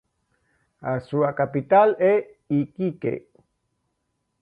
A súa capital é Iquique.